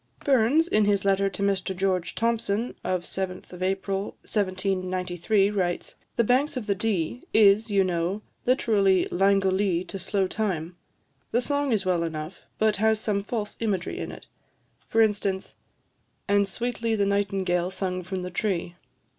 Burns, in his letter to Mr George Thomson, of 7th April 1793, writes "'The Banks of the Dee' is, you know, literally 'Langolee' to slow time. The song is well enough, but has some false imagery in it; for instance "'And sweetly the nightingale sung from the tree.'